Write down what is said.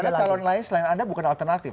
ada calon lain selain anda bukan alternatif